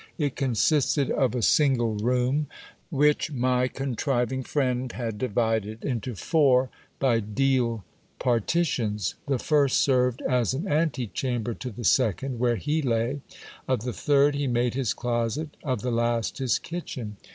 It consisted of a single room, which my contriving friend had divided into four by deal partitions. The first served as an ante chamber to the second, where he lay : of the third he made his closet, of the last his kitchen.